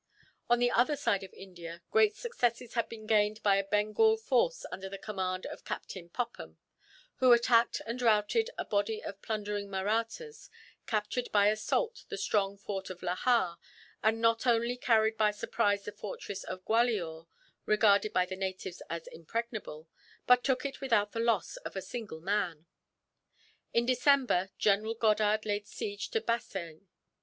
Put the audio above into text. On the other side of India, great successes had been gained by a Bengal force under the command of Captain Popham; who attacked and routed a body of plundering Mahrattas, captured by assault the strong fort of Lahar, and not only carried by surprise the fortress of Gwalior, regarded by the natives as impregnable, but took it without the loss of a single man. In December, General Goddard laid siege to Bassein.